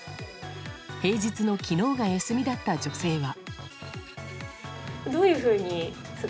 平日の昨日が休みだった女性は。